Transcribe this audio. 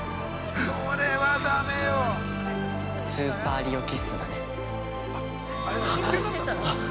◆スーパーリオキッスだね。